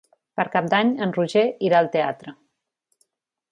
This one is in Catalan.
Per Cap d'Any en Roger irà al teatre.